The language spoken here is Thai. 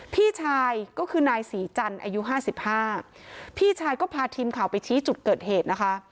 พี่ชายก็คือนายศรีจันทร์อายุห้าสิบห้าพี่ชายก็พาทีมข่าวไปชี้จุดเกิดเหตุนะคะ